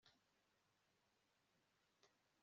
umwanya wo kuruhuka nkuko bisanzwe